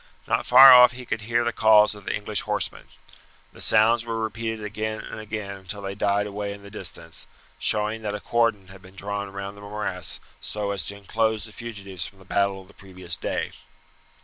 Not far off he could hear the calls of the English horsemen. The sounds were repeated again and again until they died away in the distance, showing that a cordon had been drawn round the morass so as to inclose the fugitives from the battle of the previous day.